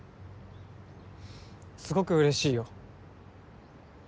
すごくうれしいよ。